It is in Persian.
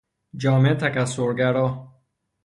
جامعه تکثرگرا